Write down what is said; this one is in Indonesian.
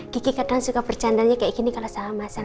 kiki kadang suka bercandanya kayak gini kalau sama